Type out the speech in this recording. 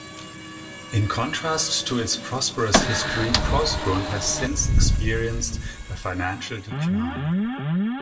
In contrast to its prosperous history, Porsgrund has since experienced a financial decline.